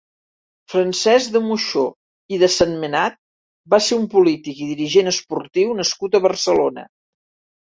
Francesc de Moxó i de Sentmenat va ser un polític i dirigent esportiu nascut a Barcelona.